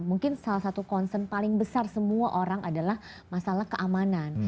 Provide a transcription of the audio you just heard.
mungkin salah satu concern paling besar semua orang adalah masalah keamanan